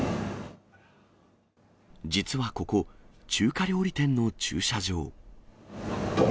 実はここ、中華料理店の駐車場。